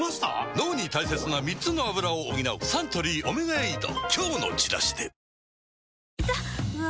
脳に大切な３つのアブラを補うサントリー「オメガエイド」